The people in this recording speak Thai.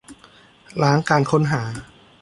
ล้างการค้นหา